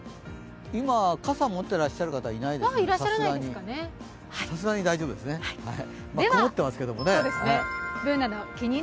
今、傘持ってらっしゃる方いないですよね、さすがに。